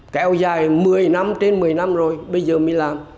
kéo dài một mươi năm trên một mươi năm rồi bây giờ mới làm